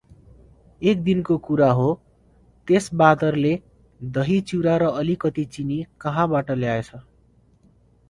एक दिनको कुरा हो, त्यस बाँदरले दही चिउरा र अलिकति चिनी कहीँबाट ल्याएछ ।